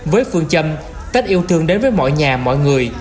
với phương châm tết yêu thương đến với mọi nhà mọi người